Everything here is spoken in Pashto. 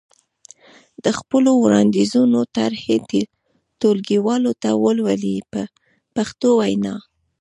د خپلو وړاندیزونو طرحې ټولګیوالو ته ولولئ په پښتو وینا.